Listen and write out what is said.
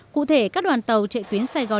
cụ thể các đoàn tàu chạy tuyến đường sắt sài gòn